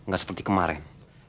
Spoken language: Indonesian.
gak seperti kemarin